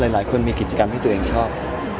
หลายคนมีกิจกรรมที่ตัวเองชอบ